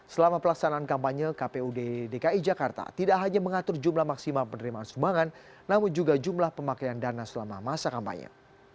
selama pelaksanaan kampanye kpud dki jakarta tidak hanya mengatur jumlah maksimal penerimaan sumbangan namun juga jumlah pemakaian dana selama masa kampanye